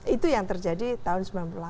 itu yang terjadi tahun sembilan puluh delapan